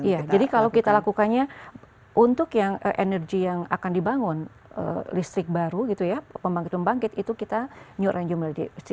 iya jadi kalau kita lakukannya untuk yang energi yang akan dibangun listrik baru gitu ya pembangkit pembangkit itu kita new renewable